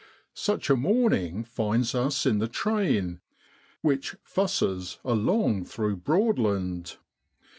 Such a morning finds us in the train which 6 fusses ' along through Broadland.